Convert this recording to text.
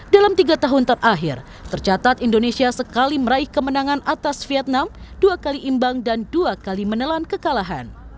dalam tiga tahun terakhir tercatat indonesia sekali meraih kemenangan atas vietnam dua kali imbang dan dua kali menelan kekalahan